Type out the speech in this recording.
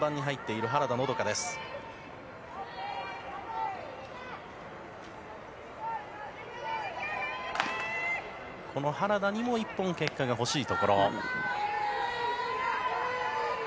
この原田にも１本、結果が欲しいところ。